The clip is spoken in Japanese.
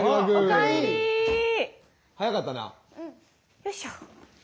よいしょ。